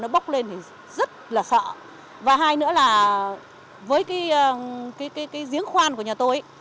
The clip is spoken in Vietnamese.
với cái giếng khoan của nhà tôi